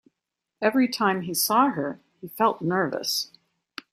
Every time he saw her, he felt nervous.